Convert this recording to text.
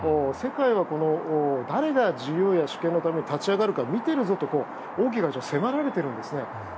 世界は誰が自由や主権のために立ち上がるか見ているぞと、王毅外相は迫られているんです。